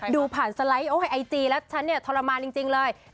ดูผ่านสไลด์โอไอจีแล้วฉันเนี่ยทรมานจริงเลย